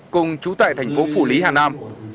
cùng trú tại thành phố phủ lý hà nam